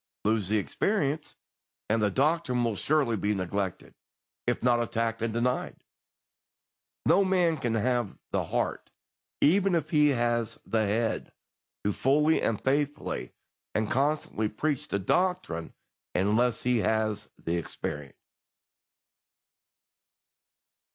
Lose the experience, and the doctrine will surely be neglected, if not attacked and denied. No man can have the heart, even if he has the head, to fully and faithfully and constantly preach the doctrine unless he has the experience.